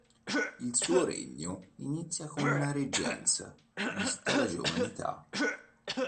Il suo regno inizia con una reggenza, vista la giovane età.